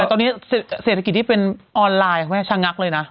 แต่ตอนนี้เศรษฐกิจที่เป็นออนไลน์แม่ชะงักเลยนะ